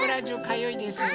かゆいです。